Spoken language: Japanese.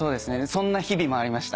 そんな日々もありました。